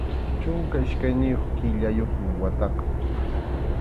Chunka iskayniyuq killayuqmi wataqa.